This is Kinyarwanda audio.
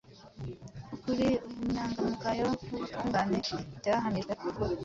Ukuri, ubunyangamugayo n’ubutungane byahamijwe ko